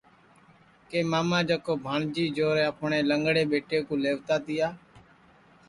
کہ ماما جکو بھانجی جورے اپٹؔے لنگڑے ٻیٹے کُو لئیوتا تیا